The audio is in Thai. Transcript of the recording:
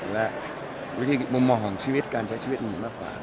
และมุมมองของชีวิตการใช้ชีวิตนี้มากขวา